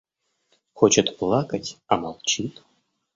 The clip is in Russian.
– Хочет плакать, а молчит.